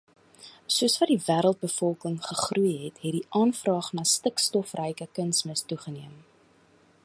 Soos wat die wêreldbevolking gegroei het, het die aanvraag na stikstofryke kunsmis toegeneem.